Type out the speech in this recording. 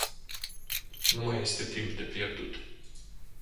Nu mai este timp de pierdut.